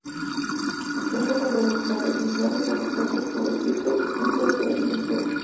Símbolo de la fertilidad y voluntad de su estirpe, ejemplo de coraje y entrega.